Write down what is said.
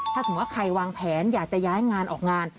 ถ้าสมมุติว่าใครวางแผนอยากจะย้ายงานออกงาน